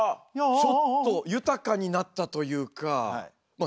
ちょっと豊かになったというかまあ